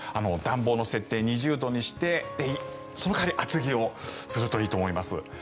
暖房の設定を２０度にしてその代わり厚着をするといいと思います。